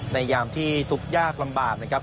ยามที่ทุกข์ยากลำบากนะครับ